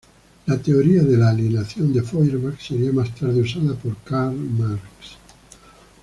La teoría de la alienación de Feuerbach sería más tarde usada por Karl Marx.